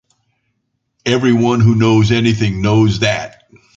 Everyone who knows anything knows that.